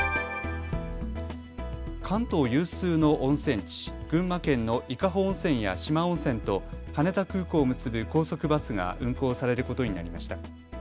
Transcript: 関東有数の温泉地、群馬県の伊香保温泉や四万温泉と羽田空港を結ぶ高速バスが運行されることになりました。